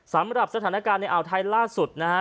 สำหรับสถานการณ์ในอ่าวไทยล่าสุดนะฮะ